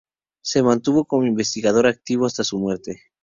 Se mantuvo como investigador activo hasta su muerte.